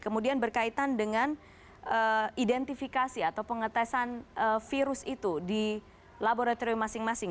kemudian berkaitan dengan identifikasi atau pengetesan virus itu di laboratorium masing masing